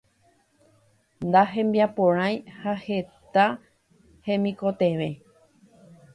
Nahembiaporãi ha heta hemikotevẽ